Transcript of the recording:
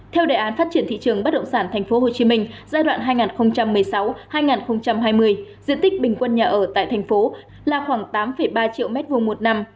theo đề án phát triển thị trường bất động sản tp hcm giai đoạn hai nghìn một mươi sáu hai nghìn hai mươi diện tích bình quân nhà ở tại thành phố là khoảng tám ba triệu m hai một năm